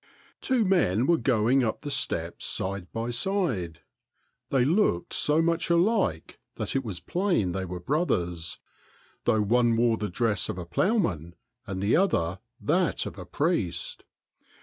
Two men were going up the steps side by side. They looked so much alike that it was plain they were bro thers, though one wore the dress of a ploughman and the other that of a priest.